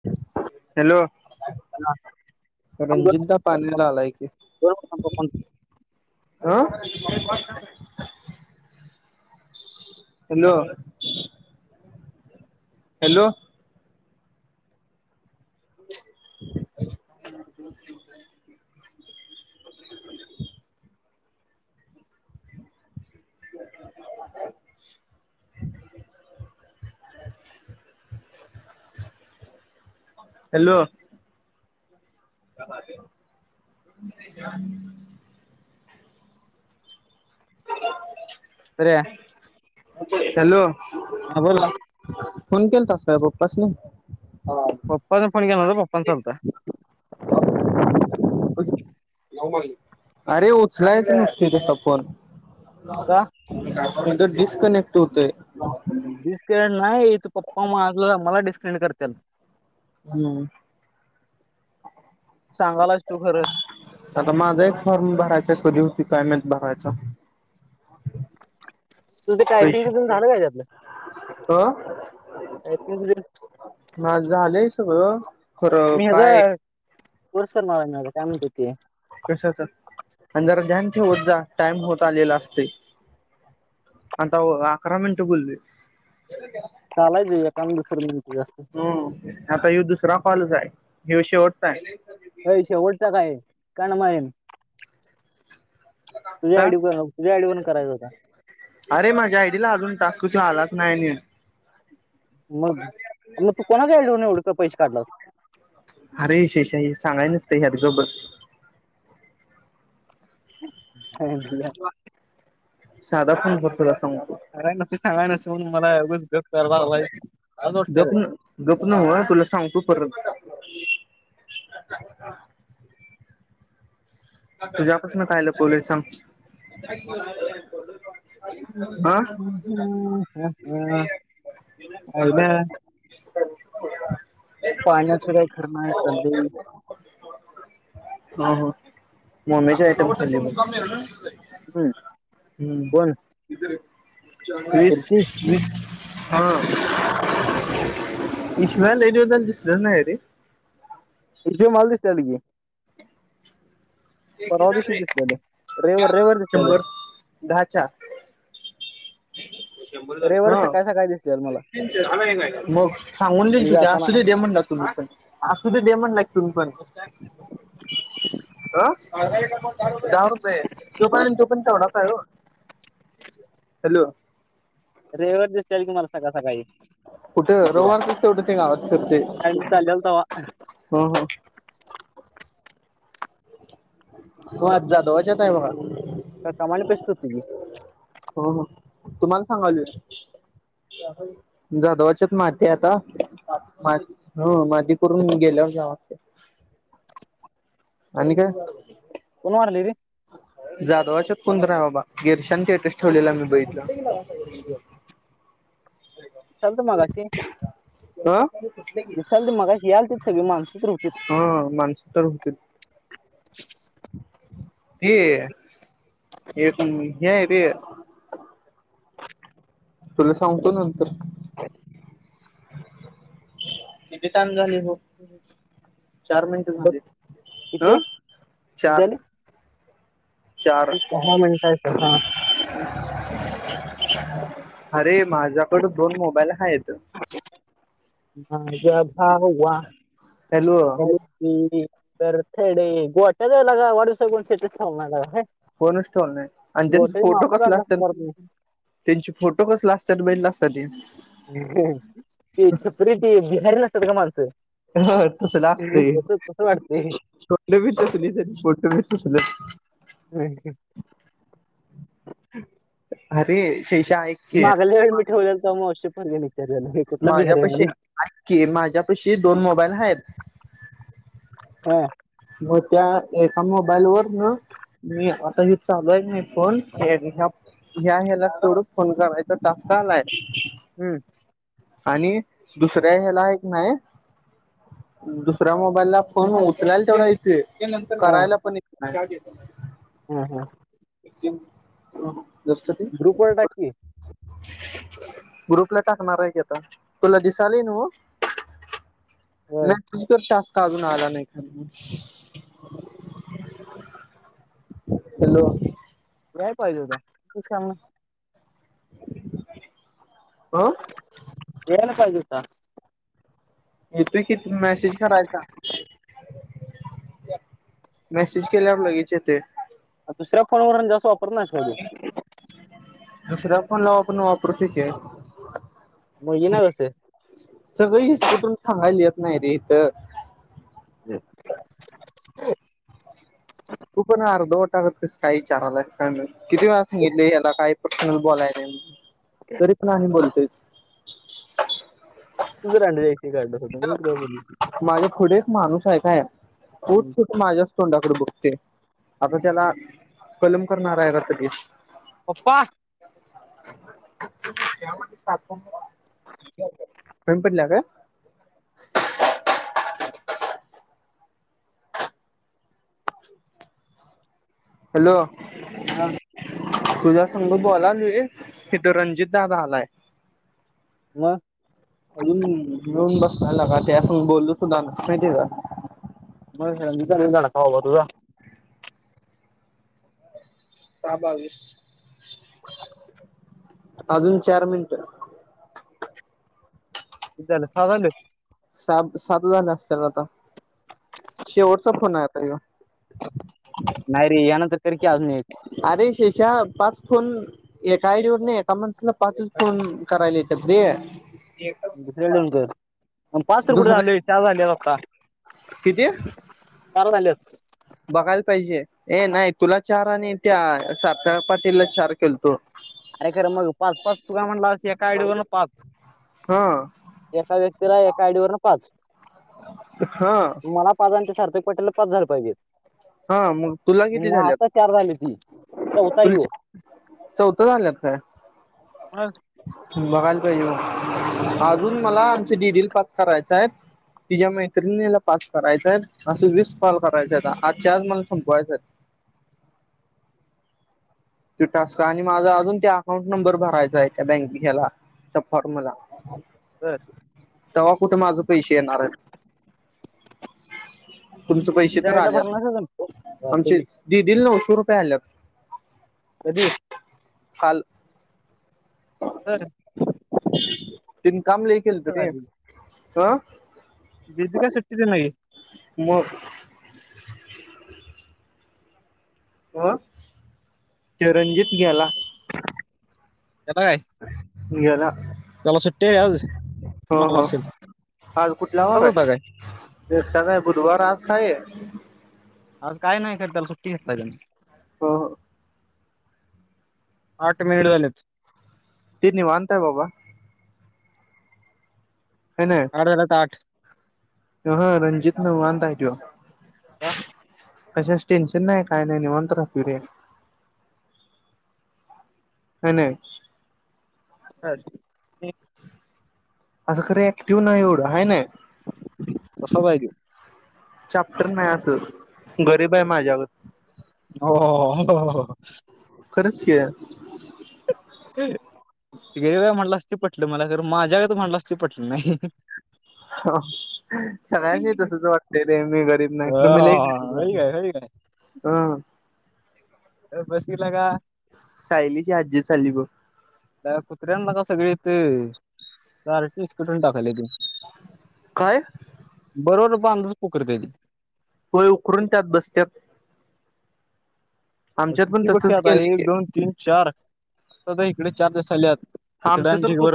[inaudible] Hello रंजितदा पाला आलाय कि अं हॅलो हॅलो [inaudible] हॅलो [unintelligible] [inaudible] अरे हॅलो हा बोल फोन केल तस का बप्पस नाही पप्पा ज फणी घ आण न दो पण चालत अरे उचलायच नसते ते सपोन का ह ंत डिस्कनेक्ट होतय ब नाहीथ पप्पा मागला मला डिस्केड करते हम्म सांगायलाच तू खरं आता माझा एक फॉर्म भरायचे करू कायमत भरायचा तुझं पैसे टायपिंगधून झालं का त्यातलं अ टायपिंग हो खरों मी ह्याचा काय कोर्स कर मवा मझ काम होती कशाच आणि जरा ध्यान ठेवत जा टाइम होत आलेला असते आता अकरा मिनिट बुोलली चालाय ज पा बसर हम आता ये दुसरा लच आहे हिव शेवटचा आहे कानमयन का करायचा होता अरे माझ्या आयडीला अजून तास् आलाच नाही नाही म मग तू कोणागाडव उळक पैसे कालं अरे शेशाही सांगाय नसत हत बबर हो दिला साधा फोन करतोला सांगाय नस सांगाय नस म्हणून मलाच ग वाते गप न गप नव्ह हा तुझ्यापासून काय लपवलंय का सांग? हा. ह ह हा अहिला [unintelligible] पाळण्यात फिराय खर नाय आहे चाललेही हा. हा. [unintelligible] हम्म. कोण हम्म [inaudible] वीस कुर्ती वीस. हां इसल्या लय दिवस झालेय दिसलं नाय रे. इसल्या मला दिसलं तिकडं. परवाच्या दिशी दिसलेले रविवार रविवार दिसलेले. शंभर दहाच्या ह दिसलेलं मला मग सांगून देईन. मी तुझ जाताना असू दे दे म्हण ला तुम्ही पण असू दे दे म्हणला तुम पण अ दहा रुपे तो पर्यत तो पण तेवढाच आहे. हॅलो [inaudible] रविवारी दिसतेल तुम्हाला सकाळी सकाळी कुठं रविवारच [unintelligible] तेवढं ते गावात फिरते कामाला चाललंय तव्हा ह ह [inaudible] त आज जाधवच आहे मग का कमाने पेसत ती हो हो तुम्हाला सांगालावो जाधवाच्यात माती आता ह माती करून मी गेल्यावर जा आणि काय? कोण वारली रे? जाधवाच्या पुंनरा बाबा गिरीशन स्टेटस ठेवलेला मी बघितला. आलतो मगाशी अ विसाल तर मगाशी याल त सगळी माणस पण होतीत. [inaudible] ह माणसं तर होती ते एक हे ते तुला सांगतो नंतर किती टाइम झाले? चार मिनट बघ झाले. किती हं, चार. चार दहा मिनीटाच अरे माझ्याकड दोन मोबाईल आहेत. [unintelligible] हॅलो हो [unintelligible] बरथडी गोट्याला का वड स गण सटला [unintelligible] फोनच ठेवल नाही आणि त्यांचा फोटो कसले काढला असं असतात परत नाही त्यांचे फोटो कसले असतात बे असतात [unintelligible] ते छपरी बिहार ना [inaudible] का माणसं [unintelligible] हा, तसलं असतयं. तसं तसं वाटतंय पोटींबी तसली, पोटंबी तसलच. अरे! शेषा आहेऐ [unintelligible] ठेवल्याल तरमग अव्यण नाही [unintelligible] माझ्या पशीी माझ्या पशी दोन मोबाईल आहेत [inaudible] हम [inaudible] मग त्या एका मोबाईल वर न मी आता हे चालय नाही फोन [unintelligible] ह्या, ह्याला तोडू? फोन करायचा टास्क् आलाय? हम्म! आणि दुसऱ्या ह्याला, एक नाही, दुसऱ्या मोबाईल ला फोन उचलाला तेवढं येतयं. नंतर करायला पण [unintelligible] हा, का घेतो? हम्! हम्म! एक [unintelligible] ग्रुप वर टाक की. ग्रुपला टाकणार आहे की आता तुला दिसाल ना हो [unintelligible] होय नाही तु कर शत [inaudible] काजून आला नाही ख हलो [inaudible] [unintelligible] काय पाहिजे होत? तु सांग ना. अ येल काय दिवस [inaudible] येत [inaudible] किती मेसेज करायचा [inaudible] मेसेज केल्यावर, लगेच येतंय. आ, दुसऱ्या फोनवरून जासो वापर ना ड [unintelligible] दुशरा पण लाव. आपण वापरते की. मग येणार कसं सगळे हिस् तून सांगायली [inaudible] रत [unintelligible] हम् [inaudible] ग स्काय चारला [unintelligible] किती वेळा सांगितले याला काय पर्सनल बोलायला तरी पण आम्ही बोलतोयच [inaudible] [unintelligible] डे ती काय [unintelligible] - माझ्या पुढे एक माणूस आये काय? उट सुट माझ्याच तोंडाकडं बघ. ते, आता त्याला कलम करणार आए. [unintelligible] पप्पा! [unintelligible] पडल्या का [inaudible] - हॅलो. हा [unintelligible] तुज्या संग बोलाले तिथं रणजित दादा आलाय. मग अजून नऊन बघ. [unintelligible] असून बोल्लो सुधा नाय माहितीय का. [inaudible] सा बावीस. अजून चार मिंटं - [unintelligible] साब सातजण असत्याल आता. शेवटचा फोन आए आता यो. नाही रे यानंतर कर की आजुन एक. च्या पाच फोन एका आयडी वर नाही ये एका माणसाला पाचच फोन करायले येतात रे. [unintelligible] पण पात्र कुडे दुसऱ्या आलय [unintelligible] - का? किती? कारण आणलीयात. बघाल पाइजे. ए नाइ, तुला चार आणि त्या साता पाटीलला चार केलतो. अरे खरं मग पाच पाच तू काय म्हणलास, अस एका आयडी वरनं पाच हा एका व्यक्तीला एका आयडी वरनं पाच. हा मला पाच आणत्या चार - ते पटेला पाच झालं पाहिजे. हा मग तुला किती ना आता झाल्यात चार झाले ती चौता यऊ. लान लेगताय - बगाल का येऊ? आजून मला आमचे डीडील पाच करायचाय. तिच्या मैत्रिणीला पाच करायचाय. असे वीस कॉल करायचे आता. आजच्या आज मल संपवायचय. ते टास्कं आणि माझा अजून त्या अकाउंट नंबर भरायचा ए त्या बँके ह्याला त्या फॉर्मला. जर - तेव्वा कुठं माझं पैशे येणार आएत. तुमचं पैशे तर आयडीला आल्यात. भरणार असेल ना? आमचे दि दिल नऊशे रुपये आणल्यात. कधी? हल तन काम ल केेलत ते आा गदी का सुट्टी दि नाहीे मग ह चिरंजीित गेला कलाय निगला हो मला हो असेल आज कुठला एकटाच वार होता काय आहे का आहे बुधवार आज काय आहे आज काय नाही कर त्याला सुट्टी घेतला त्यानी हो हो आठ मिनिट झालेत ते निवनताय बाबा आठ वेलात आठ हा रणजित न वानाय गो का टेन्शन नाही काय नाही नि म्हणत राख रे ह नाही अ असं खर ऍक्टिव्ह नाही एवढं आहे ना तस बायजे ॅप्टर नाही असं गरीब आहे माझ्यावर हो हो खरंच के. गेरी व म्हणलं अस पटलं मला खर माझ्याकडे म्हटलं असत पटलं नाही. सगळ्यांनी तसच वाटतय रे मी गरीब नाही हो तर मी नाही गरीब झा होय काय होय हं. अ बस गला का? सायलीची आज्जी चाली ग. त्या कुत्र्या ब सगळी ते चार टीस कटून टाकायला. काय? बरोट बांधच पुकरते त वय उकररून त्यात बसत्यात. आमच्यात पण किती पैकी तसंच आता केलंय एक की दोन तीन चार आता इकडे चार दिस झाले. हा आमचं तर कुत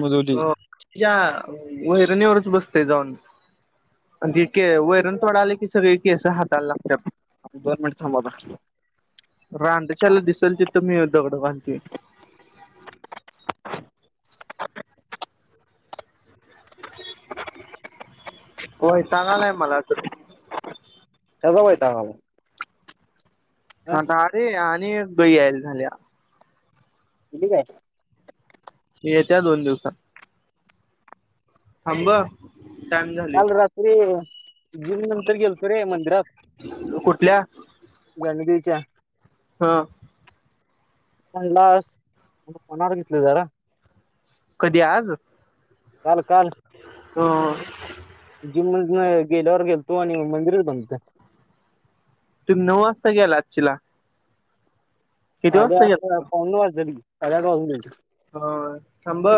मुजवली वहिरणीवरच बसते जाऊन. आणि जे वैरण तोडाले कि सगळे केस हातायला लागतात दोन मिनिट थांबा आता रडशला दिसेल तिथं मी दगड घालते. होय चांगलाय मला. ट त्याचा वयताला. हता अरे आणि गई याल झाल्या. [unintelligible] काय? येत्या दोन दिवसात. थांब. टाइम झाली काल रात्री दिड नंतर गेलतो रे मंदिरात. कुठल्या? त्या हा. लास [unintelligible] जरा. कधी आज? काल. काल. हो. जिम मदन गेल्यावर गेलतो आणि मंदिरच बंद हुतं. तुम्ही नऊ वाजता गेला असचीला? साडे आटला पाउणे नऊ वाजलेले कि [unintelligible] हा थांब ह